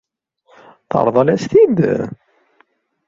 Teṛḍel-as-t-id?